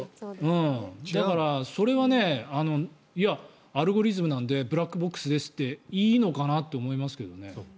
だから、それはアルゴリズムなんでブラックボックスですっていいのかなって思いますけどね。